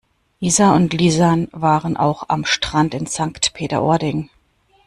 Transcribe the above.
Isa und Lisann waren auch am Strand in Sankt Peter-Ording.